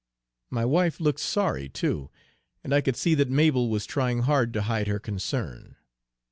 My wife looked sorry, too, and I could see that Mabel was trying hard to hide her concern.